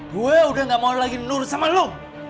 gue udah gak mau lagi nurut sama lo